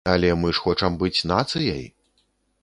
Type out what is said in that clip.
Але мы ж хочам быць нацыяй!